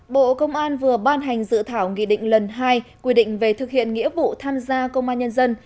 bộ công an vừa ban hành dự thảo nghị định lần hai quy định về thực hiện nghĩa vụ tham gia công an nhân dân